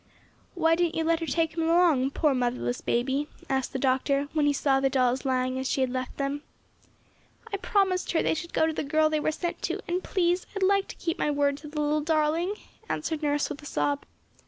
"Why didn't you let her take them along, poor motherless baby?" asked the doctor when he saw the dolls lying as she had left them. "I promised her they should go to the girl they were sent to, and please, I'd like to keep my word to the little darling," answered Nurse with a sob.